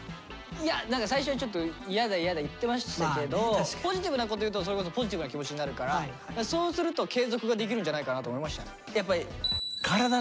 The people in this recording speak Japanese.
いや最初ちょっと嫌だ嫌だ言ってましたけどポジティブなこと言うとそれこそポジティブな気持ちになるからそうすると継続ができるんじゃないかなと思いましたね。